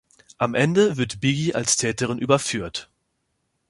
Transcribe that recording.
Am Ende wird Biggi als Täterin überführt.